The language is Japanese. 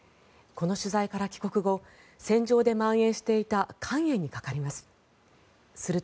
この取材から帰国後戦場でまん延していた肝炎にかかります。